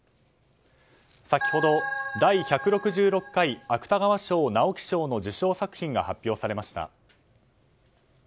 先ほど第１６６回芥川賞、直木賞の受賞作品が発表されました。